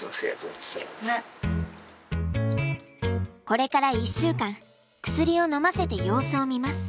これから１週間薬をのませて様子を見ます。